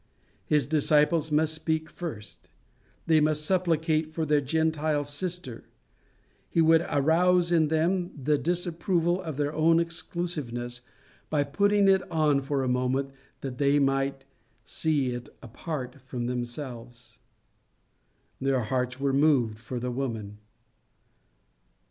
His disciples must speak first. They must supplicate for their Gentile sister. He would arouse in them the disapproval of their own exclusiveness, by putting it on for a moment that they might see it apart from themselves. Their hearts were moved for the woman.